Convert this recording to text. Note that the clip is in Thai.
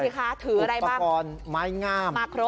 คือหัวกประกรณ์ไม้งาม